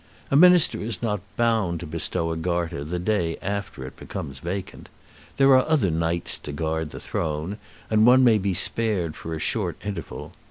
A Minister is not bound to bestow a Garter the day after it becomes vacant. There are other Knights to guard the throne, and one may be spared for a short interval.